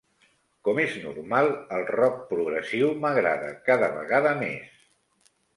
Com és normal, el rock progressiu m'agrada cada vegada més.